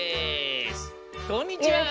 こんにちは。